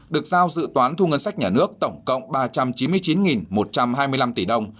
được giao dự toán thu ngân sách nhà nước tổng cộng ba trăm chín mươi chín một trăm hai mươi năm tỷ đồng